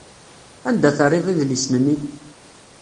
Anda terriḍ idlisen-nni?